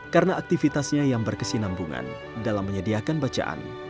karena aktivitasnya yang berkesinambungan dalam menyediakan bacaan